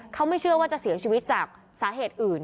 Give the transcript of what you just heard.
เขาไม่เชื่อว่าจะเสียชีวิตจากสาเหตุอื่น